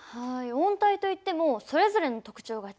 温帯といってもそれぞれの特徴が違うんですね。